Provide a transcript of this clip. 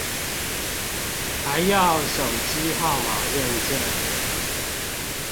還要手機號碼認證